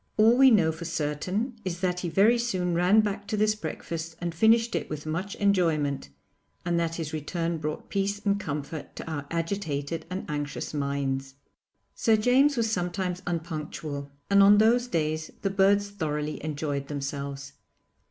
All we know for certain is that he very soon ran back to this breakfast and finished it with much enjoyment, and that his return brought peace and comfort to our agitated and anxious minds. Sir James was sometimes unpunctual, and on those days the birds thoroughly enjoyed themelves.